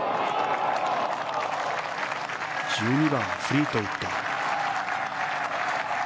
１２番、フリートウッド。